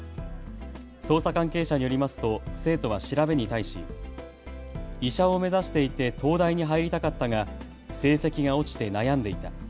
捜査関係者によりますと生徒は調べに対し医者を目指していて東大に入りたかったが成績が落ちて悩んでいた。